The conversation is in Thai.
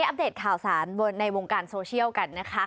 อัปเดตข่าวสารในวงการโซเชียลกันนะคะ